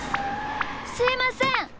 すいません。